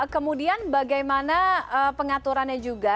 kemudian bagaimana pengaturannya juga